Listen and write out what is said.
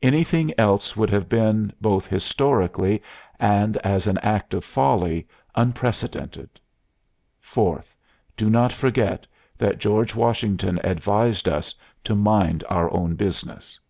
Anything else would have been, both historically and as an act of folly, unprecedented. Fourth Do not forget that George Washington advised us to mind our own business."